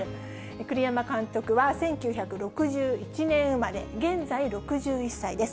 栗山監督は、１９６１年生まれ、現在６１歳です。